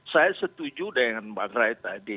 saya setuju dengan bang ray tadi